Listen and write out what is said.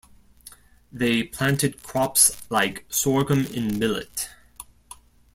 They planted crops like sorghum and millet.